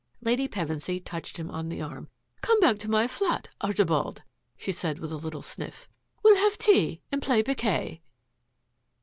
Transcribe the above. Lady Pevensy touched him on the arm. " Come back with me to my flat, Archibald," she said with a little sniff. " We'll have tea and play piquet."